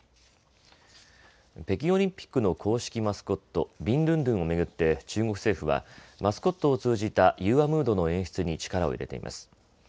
北京オリンピックの公式マスコット、ビンドゥンドゥンを巡って中国政府はマスコットを通じた融和ムードの演出に力を入れています。